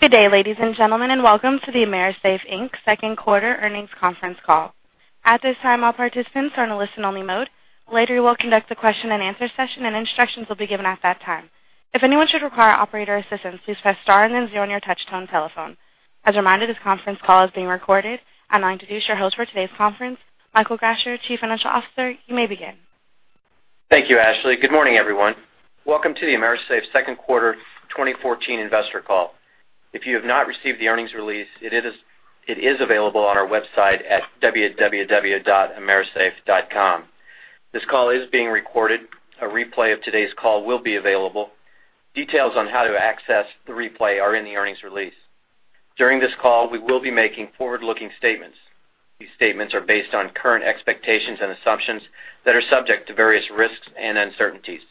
Good day, ladies and gentlemen, welcome to the AMERISAFE, Inc. second quarter earnings conference call. At this time, all participants are in a listen-only mode. Later, we'll conduct a question-and-answer session, and instructions will be given at that time. If anyone should require operator assistance, please press star and then zero on your touch-tone telephone. As a reminder, this conference call is being recorded. I now introduce your host for today's conference, Michael Grasher, Chief Financial Officer. You may begin. Thank you, Ashley. Good morning, everyone. Welcome to the AMERISAFE second quarter 2014 investor call. If you have not received the earnings release, it is available on our website at www.amerisafe.com. This call is being recorded. A replay of today's call will be available. Details on how to access the replay are in the earnings release. During this call, we will be making forward-looking statements. These statements are based on current expectations and assumptions that are subject to various risks and uncertainties.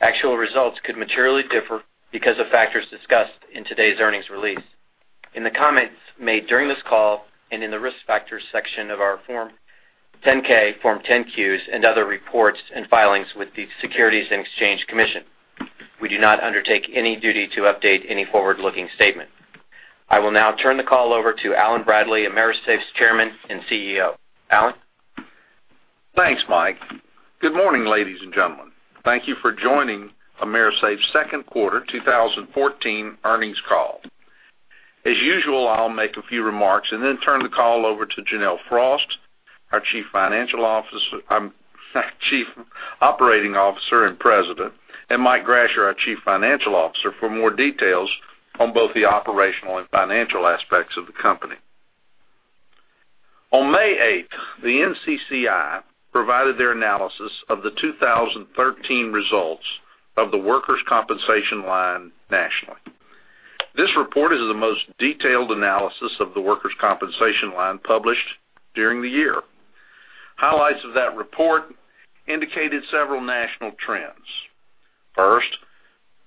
Actual results could materially differ because of factors discussed in today's earnings release. In the comments made during this call and in the Risk Factors section of our Form 10-K, Form 10-Qs, and other reports and filings with the Securities and Exchange Commission, we do not undertake any duty to update any forward-looking statement. I will now turn the call over to Allen Bradley, AMERISAFE's Chairman and CEO. Allen? Thanks, Mike. Good morning, ladies and gentlemen. Thank you for joining AMERISAFE's second quarter 2014 earnings call. As usual, I'll make a few remarks and then turn the call over to Janelle Frost, our Chief Operating Officer and President, and Mike Grasher, our Chief Financial Officer, for more details on both the operational and financial aspects of the company. On May 8th, the NCCI provided their analysis of the 2013 results of the workers' compensation line nationally. This report is the most detailed analysis of the workers' compensation line published during the year. Highlights of that report indicated several national trends.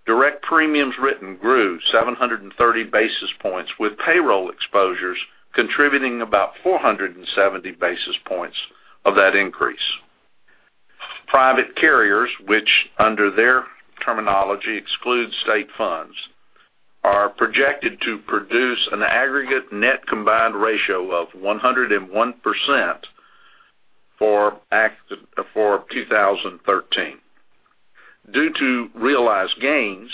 Direct premiums written grew 730 basis points, with payroll exposures contributing about 470 basis points of that increase. Private carriers, which under their terminology excludes state funds, are projected to produce an aggregate net combined ratio of 101% for 2013. Due to realized gains,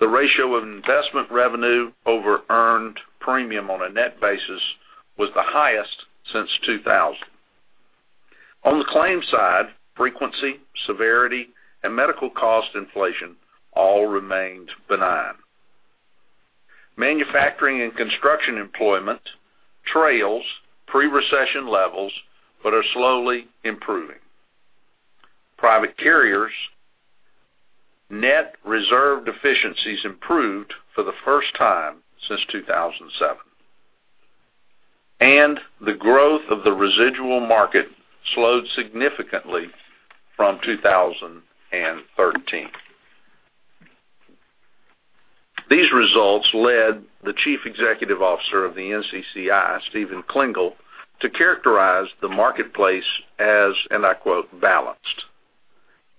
the ratio of investment revenue over earned premium on a net basis was the highest since 2000. On the claims side, frequency, severity, and medical cost inflation all remained benign. Manufacturing and construction employment trails pre-recession levels but are slowly improving. Private carriers' net reserve deficiencies improved for the first time since 2007. The growth of the residual market slowed significantly from 2013. These results led the Chief Executive Officer of the NCCI, Stephen Klingel, to characterize the marketplace as, and I quote, "balanced."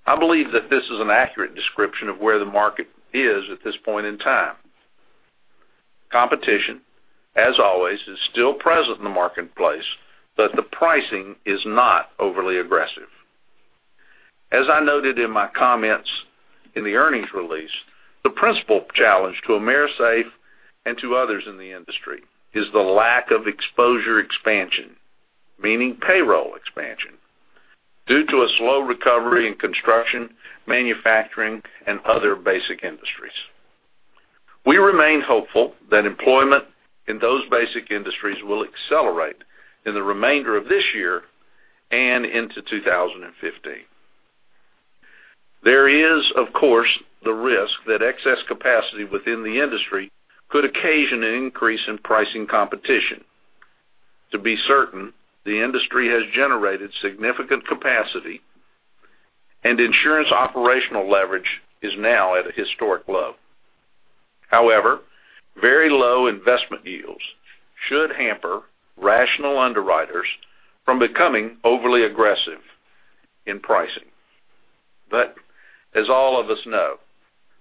I believe that this is an accurate description of where the market is at this point in time. Competition, as always, is still present in the marketplace, the pricing is not overly aggressive. As I noted in my comments in the earnings release, the principal challenge to AMERISAFE and to others in the industry is the lack of exposure expansion, meaning payroll expansion, due to a slow recovery in construction, manufacturing, and other basic industries. We remain hopeful that employment in those basic industries will accelerate in the remainder of this year and into 2015. There is, of course, the risk that excess capacity within the industry could occasion an increase in pricing competition. To be certain, the industry has generated significant capacity, and insurance operational leverage is now at a historic low. However, very low investment yields should hamper rational underwriters from becoming overly aggressive in pricing. As all of us know,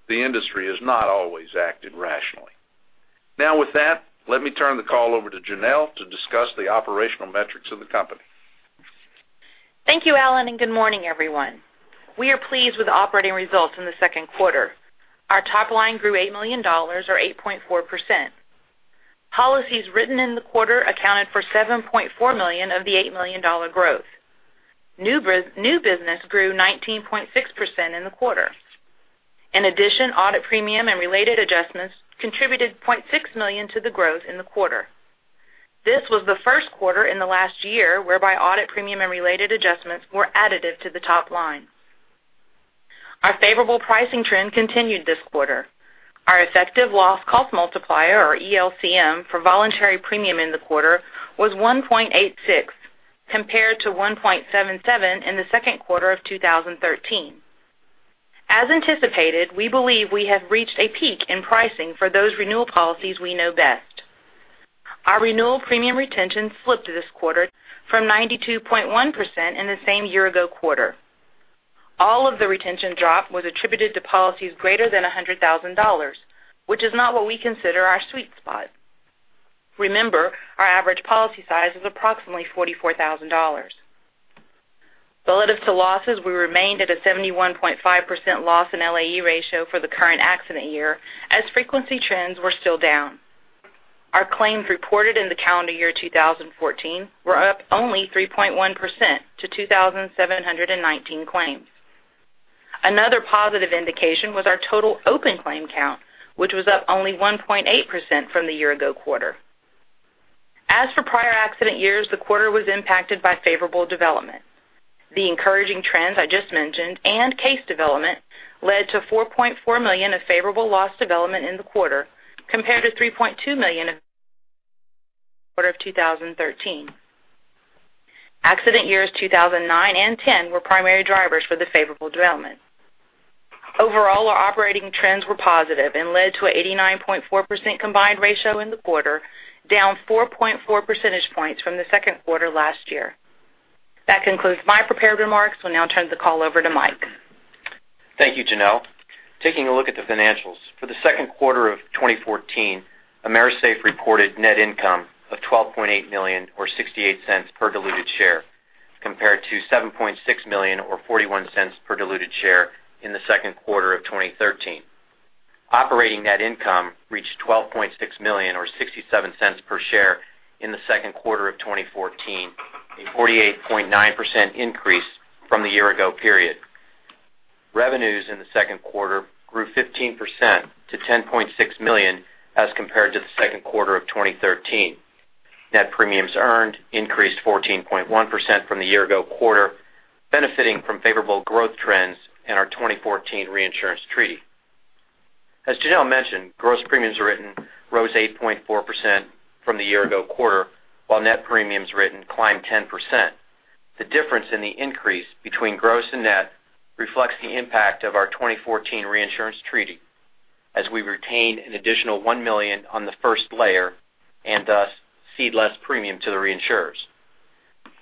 the industry has not always acted rationally. With that, let me turn the call over to Janelle to discuss the operational metrics of the company. Thank you, Allen, good morning, everyone. We are pleased with operating results in the second quarter. Our top line grew $8 million, or 8.4%. Policies written in the quarter accounted for $7.4 million of the $8 million growth. New business grew 19.6% in the quarter. In addition, audit premium and related adjustments contributed $0.6 million to the growth in the quarter. This was the first quarter in the last year whereby audit premium and related adjustments were additive to the top line. Our favorable pricing trend continued this quarter. Our effective loss cost multiplier, or ELCM, for voluntary premium in the quarter was 1.86, compared to 1.77 in the second quarter of 2013. As anticipated, we believe we have reached a peak in pricing for those renewal policies we know best. Our renewal premium retention slipped this quarter from 92.1% in the same year-ago quarter. All of the retention drop was attributed to policies greater than $100,000, which is not what we consider our sweet spot. Remember, our average policy size is approximately $44,000. Relative to losses, we remained at a 71.5% loss in LAE ratio for the current accident year, as frequency trends were still down. Our claims reported in the calendar year 2014 were up only 3.1% to 2,719 claims. Another positive indication was our total open claim count, which was up only 1.8% from the year-ago quarter. As for prior accident years, the quarter was impacted by favorable development. The encouraging trends I just mentioned and case development led to $4.4 million of favorable loss development in the quarter, compared to $3.2 million in the quarter of 2013. Accident years 2009 and 2010 were primary drivers for the favorable development. Overall, our operating trends were positive and led to an 89.4% combined ratio in the quarter, down 4.4 percentage points from the second quarter last year. That concludes my prepared remarks. We'll now turn the call over to Mike. Thank you, Janelle. Taking a look at the financials. For the second quarter of 2014, AMERISAFE reported net income of $12.8 million, or $0.68 per diluted share, compared to $7.6 million or $0.41 per diluted share in the second quarter of 2013. Operating net income reached $12.6 million or $0.67 per share in the second quarter of 2014, a 48.9% increase from the year-ago period. Revenues in the second quarter grew 15% to $100.6 million as compared to the second quarter of 2013. Net premiums earned increased 14.1% from the year-ago quarter, benefiting from favorable growth trends in our 2014 reinsurance treaty. As Janelle mentioned, gross premiums written rose 8.4% from the year-ago quarter, while net premiums written climbed 10%. The difference in the increase between gross and net reflects the impact of our 2014 reinsurance treaty, as we retained an additional $1 million on the first layer and thus cede less premium to the reinsurers.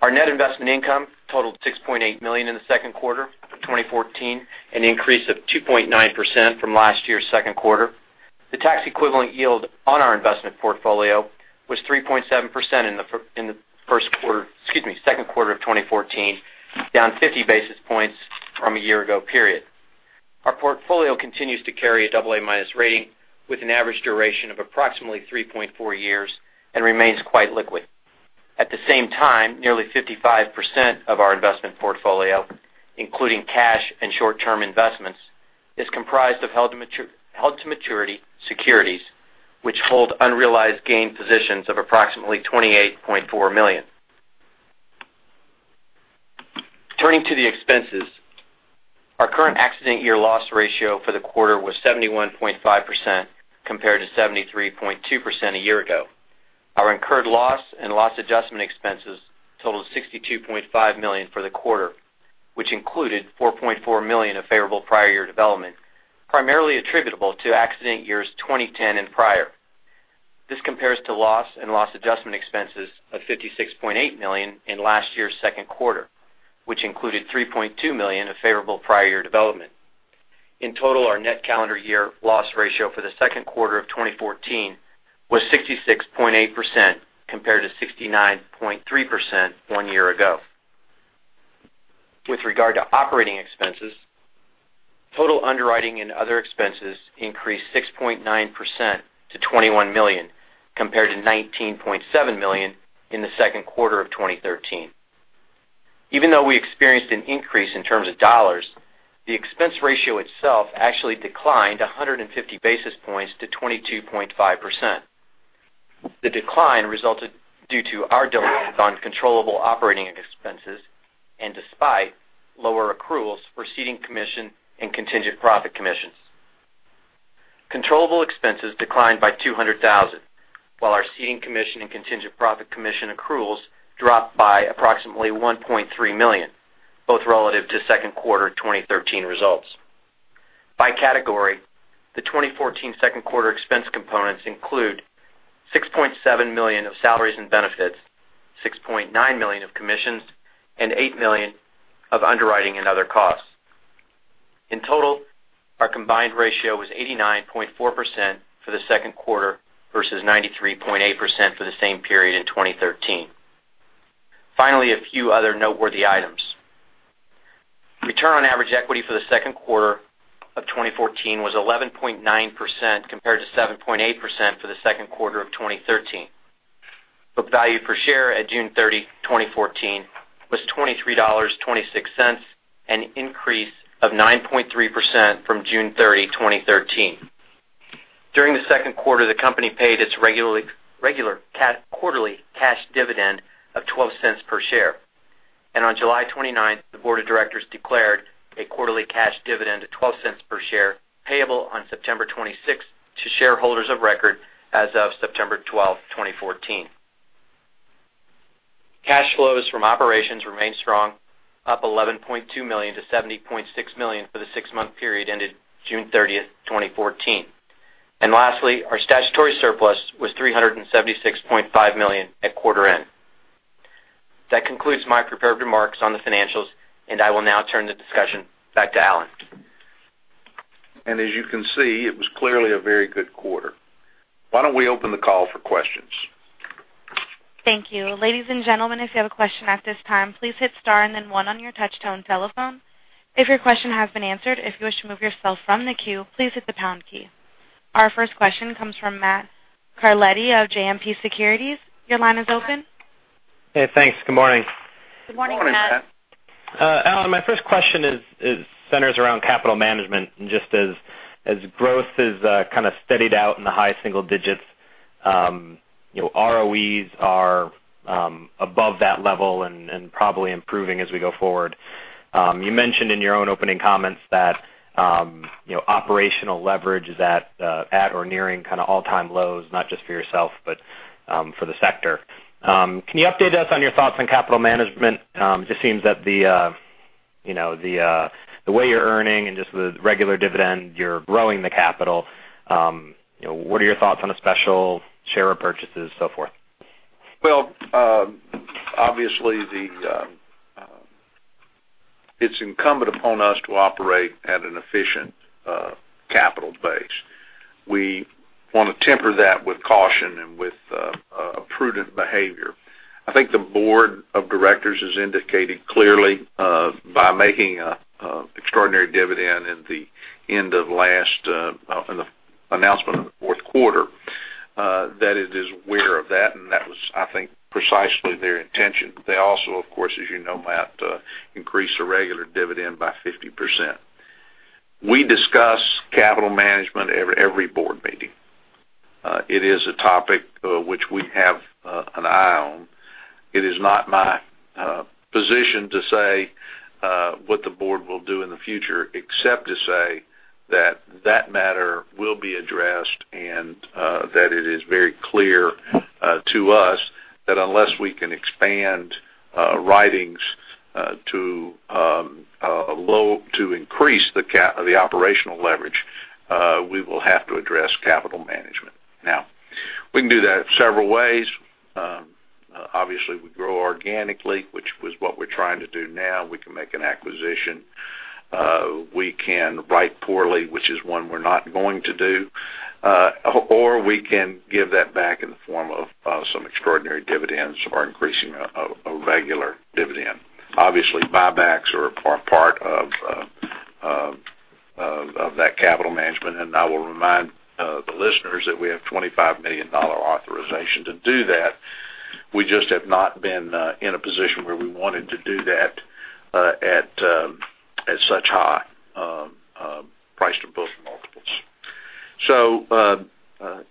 Our net investment income totaled $6.8 million in the second quarter of 2014, an increase of 2.9% from last year's second quarter. The tax-equivalent yield on our investment portfolio was 3.7% in the first quarter, excuse me, second quarter of 2014, down 50 basis points from a year-ago period. Our portfolio continues to carry a double A minus rating with an average duration of approximately 3.4 years and remains quite liquid. At the same time, nearly 55% of our investment portfolio, including cash and short-term investments, is comprised of held-to-maturity securities, which hold unrealized gain positions of approximately $28.4 million. Turning to the expenses. Our current accident year loss ratio for the quarter was 71.5% compared to 73.2% a year ago. Our incurred loss and loss adjustment expenses totaled $62.5 million for the quarter, which included $4.4 million of favorable prior year development, primarily attributable to accident years 2010 and prior. This compares to loss and loss adjustment expenses of $56.8 million in last year's second quarter, which included $3.2 million of favorable prior year development. In total, our net calendar year loss ratio for the second quarter of 2014 was 66.8% compared to 69.3% one year ago. With regard to operating expenses, total underwriting and other expenses increased 6.9% to $21 million compared to $19.7 million in the second quarter of 2013. Even though we experienced an increase in terms of dollars, the expense ratio itself actually declined 150 basis points to 22.5%. The decline resulted due to our diligence on controllable operating expenses and despite lower accruals for ceding commission and contingent profit commissions. Controllable expenses declined by $200,000, while our ceding commission and contingent profit commission accruals dropped by approximately $1.3 million, both relative to second quarter 2013 results. By category, the 2014 second quarter expense components include $6.7 million of salaries and benefits, $6.9 million of commissions, and $8 million of underwriting and other costs. In total, our combined ratio was 89.4% for the second quarter versus 93.8% for the same period in 2013. Finally, a few other noteworthy items. Return on average equity for the second quarter of 2014 was 11.9% compared to 7.8% for the second quarter of 2013. Book value per share at June 30, 2014, was $23.26, an increase of 9.3% from June 30, 2013. During the second quarter, the company paid its regular quarterly cash dividend of $0.12 per share. On July 29th, the board of directors declared a quarterly cash dividend of $0.12 per share, payable on September 26th to shareholders of record as of September 12, 2014. Cash flows from operations remain strong, up $11.2 million to $70.6 million for the six-month period ended June 30th, 2014. Lastly, our statutory surplus was $376.5 million at quarter end. That concludes my prepared remarks on the financials, and I will now turn the discussion back to Allen. As you can see, it was clearly a very good quarter. Why don't we open the call for questions? Thank you. Ladies and gentlemen, if you have a question at this time, please hit star and then one on your touchtone telephone. If your question has been answered, if you wish to move yourself from the queue, please hit the pound key. Our first question comes from Matt Carletti of JMP Securities. Your line is open. Hey, thanks. Good morning. Good morning, Matt. Morning, Matt. Alan, my first question centers around capital management and just as growth has kind of steadied out in the high single digits, ROEs are above that level and probably improving as we go forward. You mentioned in your own opening comments that operational leverage is at or nearing all-time lows, not just for yourself, but for the sector. Can you update us on your thoughts on capital management? Just seems that the way you're earning and just the regular dividend, you're growing the capital. What are your thoughts on a special share repurchases, so forth? Well, obviously it's incumbent upon us to operate at an efficient capital base. We want to temper that with caution and with a prudent behavior. I think the board of directors has indicated clearly by making an extraordinary dividend in the announcement of the fourth quarter, that it is aware of that, and that was, I think, precisely their intention. They also, of course, as you know, Matt, increased the regular dividend by 50%. We discuss capital management every board meeting. It is a topic which we have an eye on. It is not my position to say what the board will do in the future, except to say that matter will be addressed and that it is very clear to us that unless we can expand writings to increase the operational leverage, we will have to address capital management. Now, we can do that several ways. We grow organically, which was what we're trying to do now. We can make an acquisition. We can write poorly, which is one we're not going to do. We can give that back in the form of some extraordinary dividends or increasing a regular dividend. Obviously, buybacks are a part of that capital management, and I will remind the listeners that we have $25 million authorization to do that. We just have not been in a position where we wanted to do that at such high price to book multiples.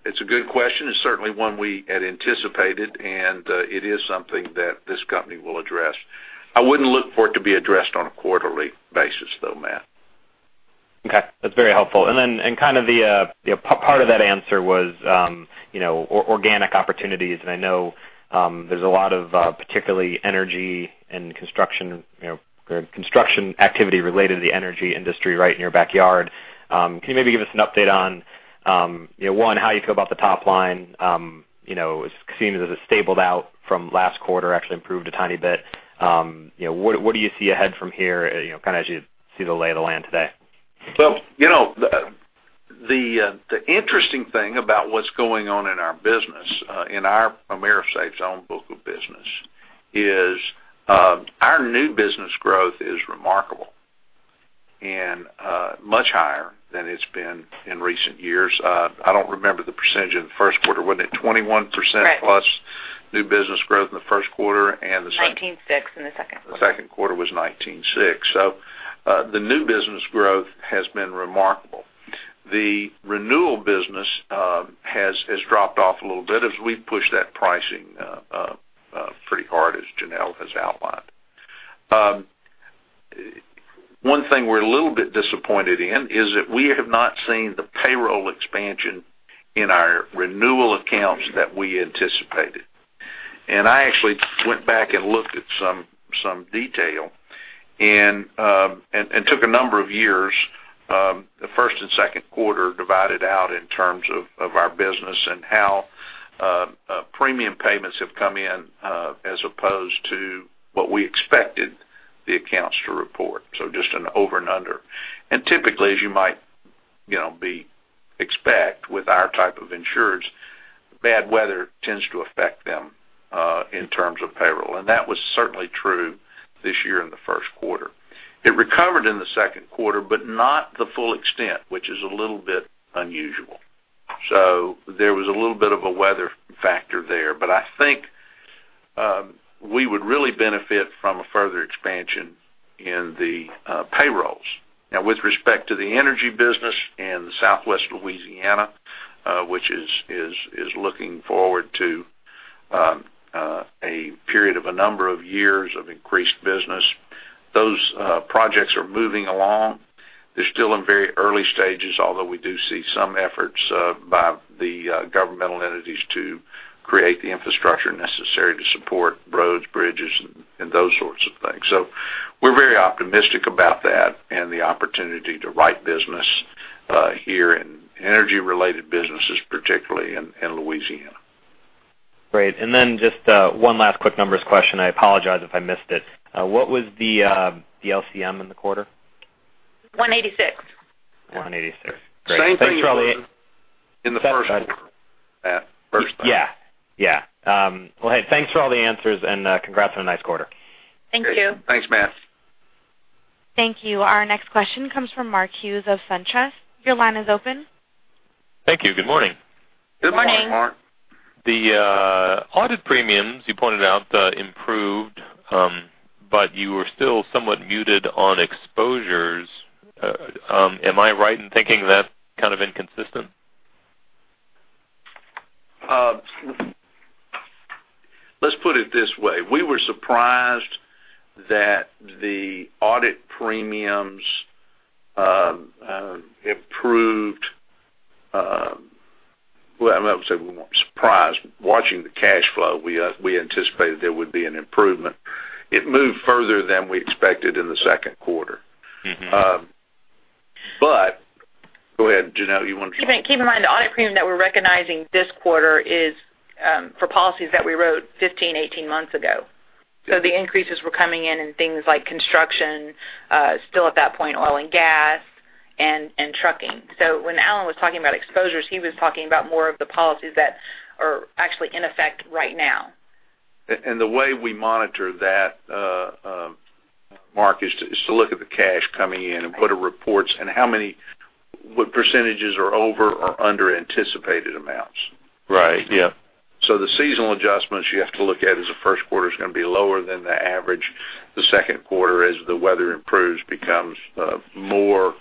It's a good question. It's certainly one we had anticipated, and it is something that this company will address. I wouldn't look for it to be addressed on a quarterly basis, though, Matt. Okay. That's very helpful. Part of that answer was organic opportunities, and I know there's a lot of particularly energy and construction activity related to the energy industry right in your backyard. Can you maybe give us an update on one, how you feel about the top line? It seems as it stabilized out from last quarter, actually improved a tiny bit. What do you see ahead from here as you see the lay of the land today? Well, the interesting thing about what's going on in our business, in our AMERISAFE's own book of business, is our new business growth is remarkable and much higher than it's been in recent years. I don't remember the percentage in the first quarter. Was it 21%- Right plus new business growth in the first quarter and the second? 19.6 in the second quarter. The second quarter was 19.6. The new business growth has been remarkable. The renewal business has dropped off a little bit as we've pushed that pricing pretty hard, as Janelle has outlined. One thing we're a little bit disappointed in is that we have not seen the payroll expansion in our renewal accounts that we anticipated. I actually went back and looked at some detail and took a number of years, the first and second quarter divided out in terms of our business and how premium payments have come in as opposed to what we expected the accounts to report. Just an over and under. Typically, as you might expect with our type of insurers, bad weather tends to affect them in terms of payroll. That was certainly true this year in the first quarter. It recovered in the second quarter, but not the full extent, which is a little bit unusual. There was a little bit of a weather factor there. I think we would really benefit from a further expansion in the payrolls. Now, with respect to the energy business in Southwest Louisiana, which is looking forward to a period of a number of years of increased business. Those projects are moving along. They're still in very early stages, although we do see some efforts by the governmental entities to create the infrastructure necessary to support roads, bridges, and those sorts of things. We're very optimistic about that and the opportunity to write business here in energy-related businesses, particularly in Louisiana. Great. Just one last quick numbers question. I apologize if I missed it. What was the LCM in the quarter? 1.86. Great. Same thing as in the first quarter. Yeah. Well, hey, thanks for all the answers, and congrats on a nice quarter. Thank you. Thanks, Matt. Thank you. Our next question comes from Mark Hughes of SunTrust. Your line is open. Thank you. Good morning. Good morning, Mark. Morning. The audit premiums you pointed out improved, you were still somewhat muted on exposures. Am I right in thinking that's kind of inconsistent? Let's put it this way. We were surprised that the audit premiums improved. I say we weren't surprised. Watching the cash flow, we anticipated there would be an improvement. It moved further than we expected in the second quarter. Go ahead, Janelle. You want to- Keep in mind, the audit premium that we're recognizing this quarter is for policies that we wrote 15, 18 months ago. The increases were coming in in things like construction, still at that point, oil and gas, and trucking. When Allen was talking about exposures, he was talking about more of the policies that are actually in effect right now. The way we monitor that, Mark, is to look at the cash coming in and put our reports and what percentages are over or under anticipated amounts. Right. Yeah. The seasonal adjustments you have to look at is the first quarter is going to be lower than the average. The second quarter, as the weather improves, becomes more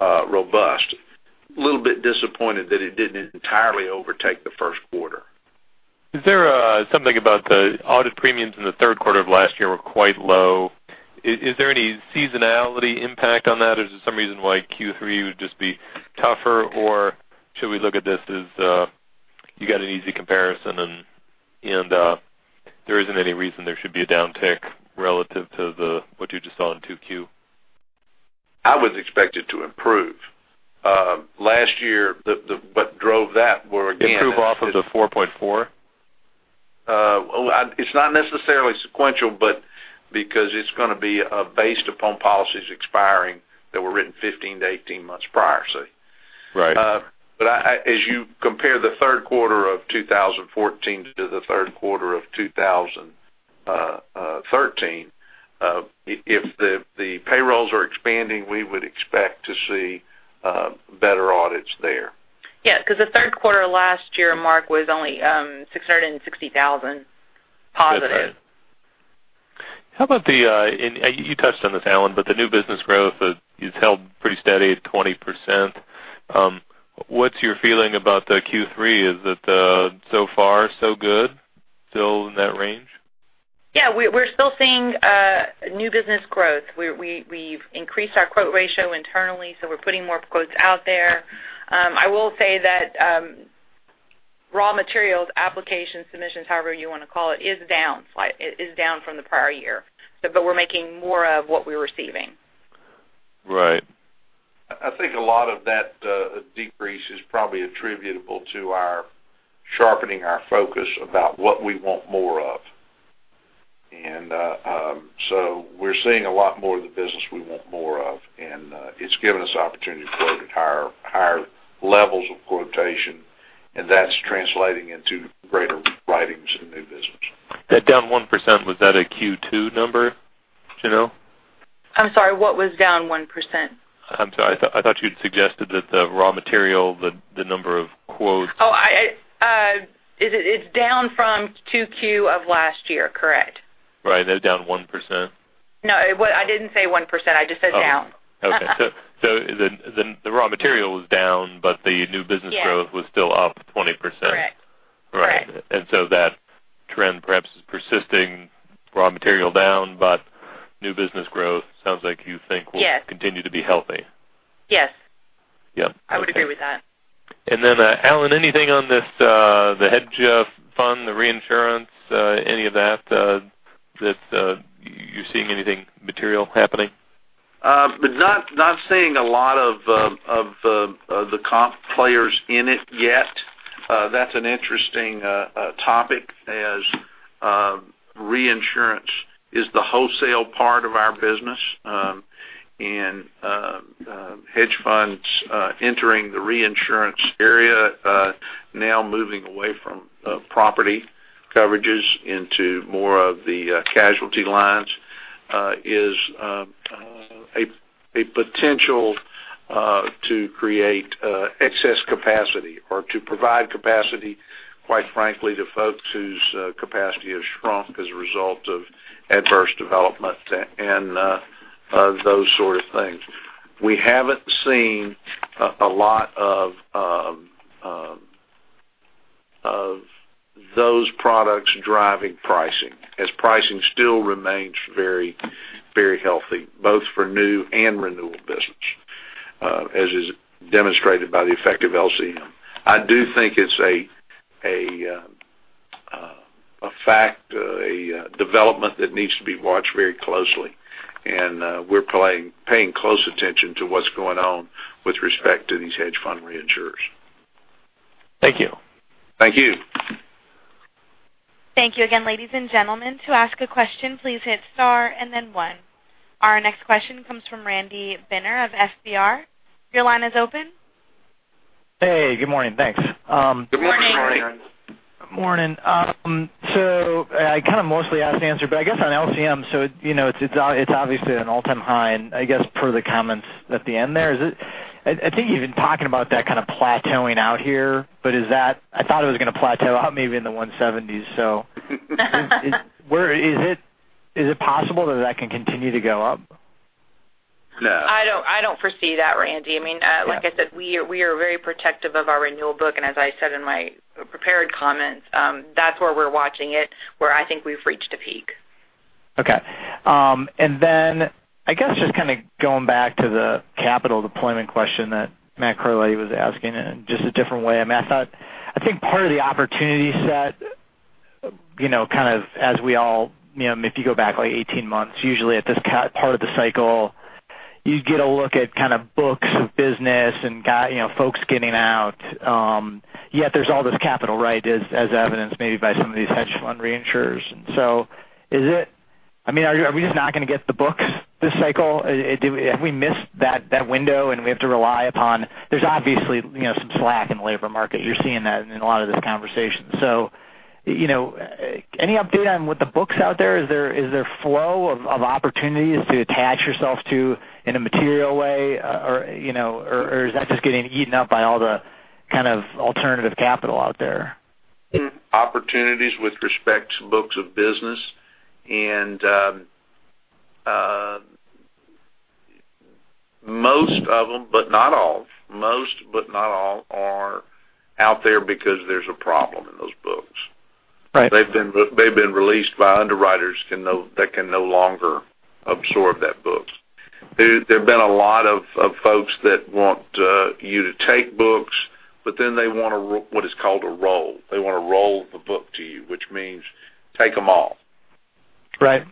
robust. Little bit disappointed that it didn't entirely overtake the first quarter. Is there something about the audit premiums in the third quarter of last year were quite low? Is there any seasonality impact on that, or is there some reason why Q3 would just be tougher? Or should we look at this as you got an easy comparison and there isn't any reason there should be a downtick relative to what you just saw in 2Q? I was expected to improve. Last year, what drove that were, Improve off of the 4.4? It's not necessarily sequential, because it's going to be based upon policies expiring that were written 15 to 18 months prior, see. Right. As you compare the third quarter of 2014 to the third quarter of 2013, if the payrolls are expanding, we would expect to see better audits there. Yeah, because the third quarter last year, Mark, was only $660,000 positive. That's right. How about the, and you touched on this, Allen, but the new business growth has held pretty steady at 20%. What's your feeling about the Q3? Is it so far so good, still in that range? Yeah. We're still seeing new business growth. We've increased our quote ratio internally, so we're putting more quotes out there. I will say that raw materials, application submissions, however you want to call it, is down from the prior year, but we're making more of what we're receiving. Right. I think a lot of that decrease is probably attributable to our sharpening our focus about what we want more of. We're seeing a lot more of the business we want more of, and it's given us the opportunity to quote at higher levels of quotation, and that's translating into greater writings in new business. That down 1%, was that a Q2 number, Janelle? I'm sorry, what was down 1%? I'm sorry. I thought you had suggested that the raw material, the number of quotes- Oh, it's down from 2Q of last year. Correct. Right. That down 1%? No. I didn't say 1%, I just said down. Okay. The raw material was down, but the new business growth. Yeah was still up 20%. Correct. Right. That trend perhaps is persisting, raw material down, but new business growth sounds like you think will- Yes continue to be healthy. Yes. Yep. Okay. I would agree with that. Alan, anything on this, the hedge fund, the reinsurance, any of that you're seeing anything material happening? Not seeing a lot of the comp players in it yet. That's an interesting topic as reinsurance is the wholesale part of our business, and hedge funds entering the reinsurance area, now moving away from property coverages into more of the casualty lines, is a potential to create excess capacity or to provide capacity, quite frankly, to folks whose capacity has shrunk as a result of adverse development and those sort of things. We haven't seen a lot of those products driving pricing, as pricing still remains very healthy both for new and renewal business, as is demonstrated by the effective LCM. I do think it's a fact, a development that needs to be watched very closely. We're paying close attention to what's going on with respect to these hedge fund reinsurers. Thank you. Thank you. Thank you again, ladies and gentlemen. To ask a question, please hit star and then one. Our next question comes from Randy Benner of FBR. Your line is open. Hey, good morning. Thanks. Good morning, Randy. Morning. I kind of mostly asked the answer, but I guess on LCM, it's obviously at an all-time high, and I guess per the comments at the end there, is it. I think you've been talking about that kind of plateauing out here, but is that, I thought it was going to plateau out maybe in the 170s. Is it possible that that can continue to go up? No. I don't foresee that, Randy. Like I said, we are very protective of our renewal book. As I said in my prepared comments, that's where we're watching it, where I think we've reached a peak. Okay. I guess just kind of going back to the capital deployment question that Matthew Carletti was asking in just a different way. I think part of the opportunity set, kind of as we all, if you go back like 18 months, usually at this part of the cycle, you get a look at kind of books of business and folks getting out. There's all this capital, right? As evidenced maybe by some of these hedge fund reinsurers. Are we just not going to get the books this cycle? Have we missed that window and we have to rely upon. There's obviously some slack in the labor market. You're seeing that in a lot of these conversations. Any update on with the books out there? Is there flow of opportunities to attach yourself to in a material way? Is that just getting eaten up by all the kind of alternative capital out there? Opportunities with respect to books of business and most of them, but not all, most, but not all are out there because there's a problem in those books. Right. They've been released by underwriters that can no longer absorb that book. There have been a lot of folks that want you to take books, but then they want what is called a roll. They want to roll the book to you, which means take them all. Right.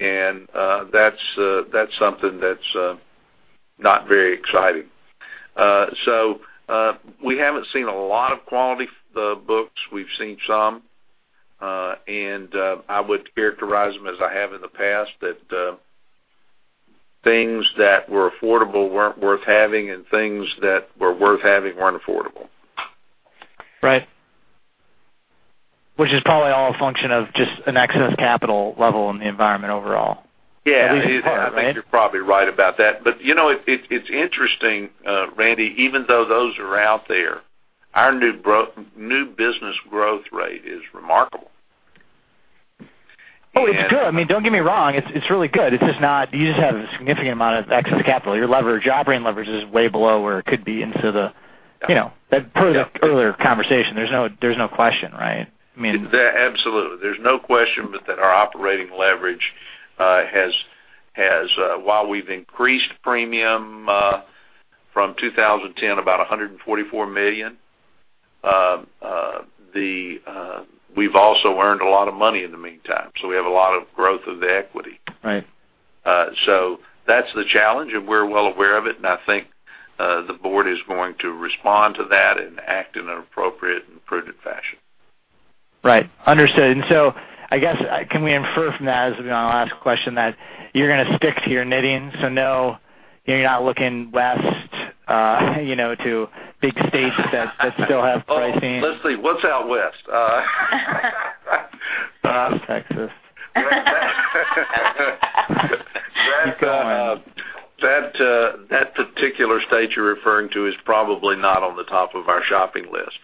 That's something that's not very exciting. We haven't seen a lot of quality books. We've seen some, and I would characterize them as I have in the past, that things that were affordable weren't worth having, and things that were worth having weren't affordable. Right. Which is probably all a function of just an excess capital level in the environment overall. Yeah. At least in part, right? I think you're probably right about that. It's interesting, Randy, even though those are out there, our new business growth rate is remarkable. Oh, it's good. Don't get me wrong. It's really good. You just have a significant amount of excess capital. Your leverage, operating leverage is way below where it could be, that part of the earlier conversation. There's no question, right? Absolutely. There's no question but that our operating leverage has while we've increased premium from 2010, about $144 million, we've also earned a lot of money in the meantime. We have a lot of growth of the equity. Right. That's the challenge, and we're well aware of it, and I think the board is going to respond to that and act in an appropriate and prudent fashion. Right. Understood. I guess, can we infer from that as, you know, I'll ask a question that you're going to stick to your knitting, so no, you're not looking west to big states that still have pricing. Oh, let's see what's out west. Texas. Keep going. That particular state you're referring to is probably not on the top of our shopping list.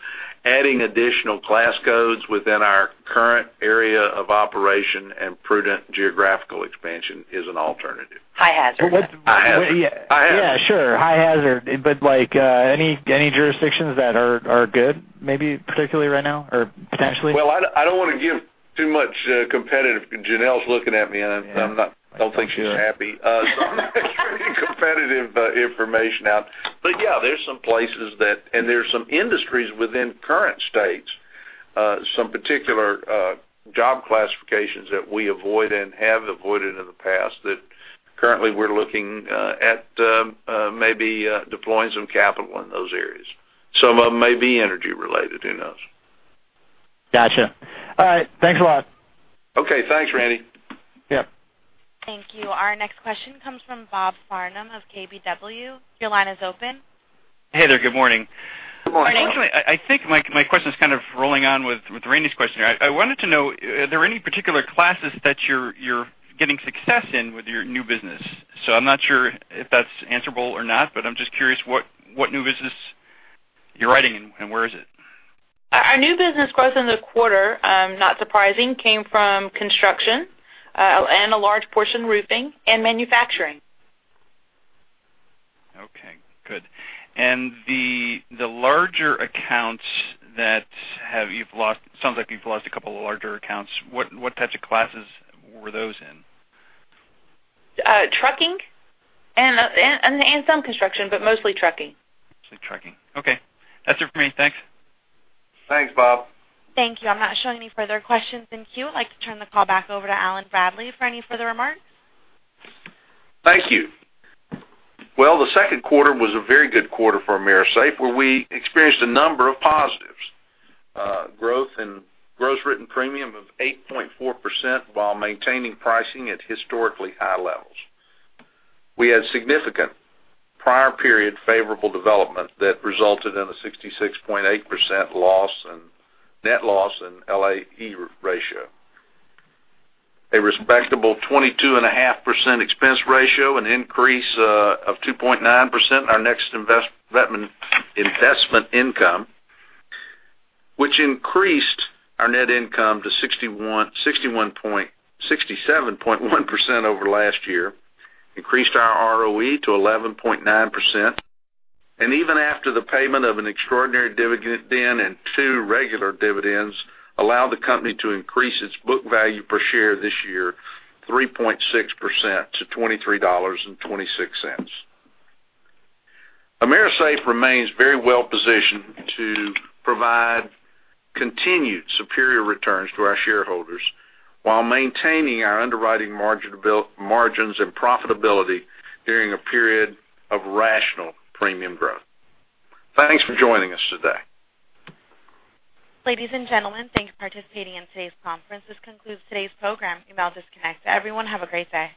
Adding additional class codes within our current area of operation and prudent geographical expansion is an alternative. High hazard. High hazard. Yeah, sure. High hazard. Like any jurisdictions that are good maybe particularly right now or potentially? Well, I don't want to give too much competitive, Janelle's looking at me, and I don't think she's happy giving competitive information out. Yeah, there's some places that, and there's some industries within current states, some particular job classifications that we avoid and have avoided in the past that currently we're looking at maybe deploying some capital in those areas. Some of them may be energy related, who knows? Gotcha. All right. Thanks a lot. Okay. Thanks, Randy. Yeah. Thank you. Our next question comes from Bob Farnham of KBW. Your line is open. Hey there. Good morning. Good morning. Actually, I think my question is kind of rolling on with Randy's question. I wanted to know, are there any particular classes that you're giving success in with your new business? I'm not sure if that's answerable or not, but I'm just curious what new business you're writing and where is it? Our new business growth in the quarter, not surprising, came from construction, and a large portion roofing and manufacturing. Good. The larger accounts that you've lost, sounds like you've lost a couple of larger accounts. What types of classes were those in? Trucking and some construction, but mostly trucking. Mostly trucking. Okay, that's it for me. Thanks. Thanks, Bob. Thank you. I'm not showing any further questions in queue. I'd like to turn the call back over to Allen Bradley for any further remarks. Thank you. Well, the second quarter was a very good quarter for AMERISAFE, where we experienced a number of positives. Growth in gross written premium of 8.4% while maintaining pricing at historically high levels. We had significant prior period favorable development that resulted in a 66.8% net loss in LAE ratio. A respectable 22.5% expense ratio, an increase of 2.9% in our net investment income, which increased our net income to 67.1% over last year, increased our ROE to 11.9%, and even after the payment of an extraordinary dividend and two regular dividends, allowed the company to increase its book value per share this year 3.6% to $23.26. AMERISAFE remains very well-positioned to provide continued superior returns to our shareholders while maintaining our underwriting margins and profitability during a period of rational premium growth. Thanks for joining us today. Ladies and gentlemen, thank you for participating in today's conference. This concludes today's program. You may all disconnect. Everyone, have a great day.